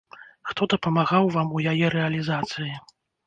Хто дапамагаў вам у яе рэалізацыі?